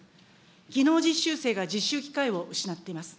技能実習生が実習機会を失っています。